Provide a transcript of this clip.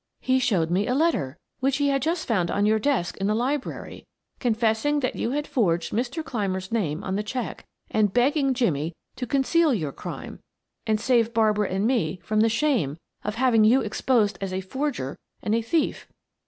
He showed me a letter, which he had just found on your desk in the library, confessing that you had forged Mr. Clymer's name on the check, and begging Jimmie to conceal your crime and save Barbara and me from the shame of having you exposed as a forger and a thief."